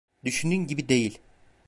Düşündüğün gibi değil.